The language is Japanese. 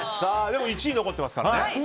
でも１位が残ってますから。